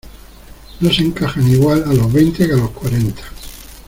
no se encajan igual a los veinte que a los cuarenta.